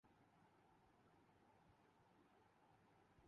ان کی زندگی ڈرامائی پیچ و خم سے بھری ہوئی دکھائی دیتی ہے۔